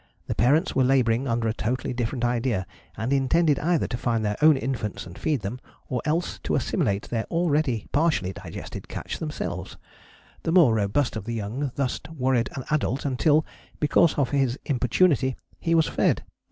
The parents were labouring under a totally different idea, and intended either to find their own infants and feed them, or else to assimilate their already partially digested catch themselves. The more robust of the young thus worried an adult until, because of his importunity, he was fed.